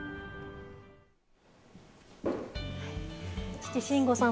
父・信吾さん。